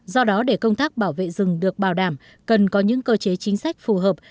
do đó để công tác bảo vệ rừng được bảo đảm cần có những cơ chế chính sách phù hợp